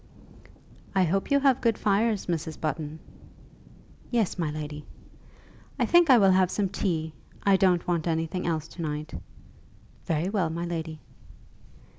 "I hope you have good fires, Mrs. Button." "Yes, my lady." "I think I will have some tea; I don't want anything else to night." "Very well, my lady."